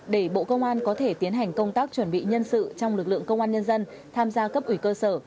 để bộ công an có thể tiến hành công tác chuẩn bị nhân sự trong lực lượng công an nhân dân tham gia cấp ủy cơ sở